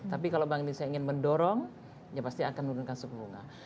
tapi kalau bank indonesia ingin mendorong ya pasti akan menurunkan suku bunga